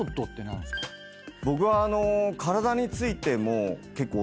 僕は体についても結構オタク。